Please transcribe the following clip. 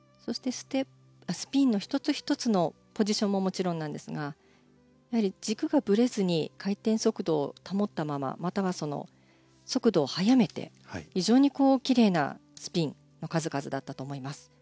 そして、スピンの１つ１つのポジションももちろんなんですが軸がぶれずに回転速度を保ったまままたは速度を速めて非常にきれいなスピンの数々だったと思います。